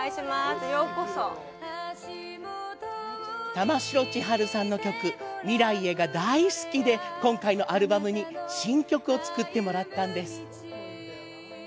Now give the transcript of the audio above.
玉城千春さんの曲「未来へ」が大好きで今回のアルバムに新曲を作ってもらったんです。